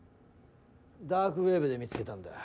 ダークウェブで見つけたんだ。